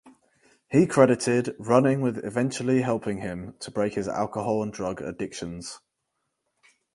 He credited running with eventually helping him to break his alcohol and drug addictions.